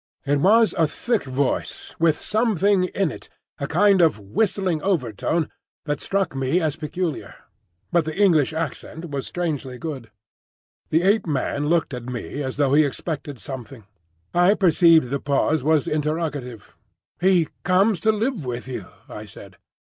It was a thick voice, with something in it—a kind of whistling overtone—that struck me as peculiar; but the English accent was strangely good. The Ape man looked at me as though he expected something. I perceived the pause was interrogative. "He comes to live with you," I said.